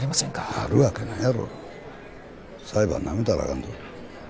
なるわけないやろ裁判ナメたらあかんぞ